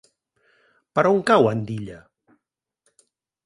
Per on cau Andilla?